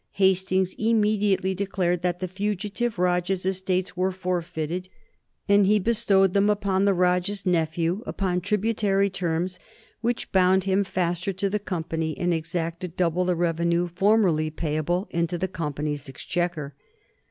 Hastings immediately declared that the fugitive Rajah's estates were forfeited, and he bestowed them upon the Rajah's nephew upon tributary terms which bound him faster to the Company, and exacted double the revenue formerly payable into the Company's exchequer.